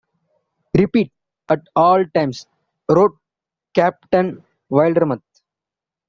Repeat, at all times, wrote Captain Wildermuth.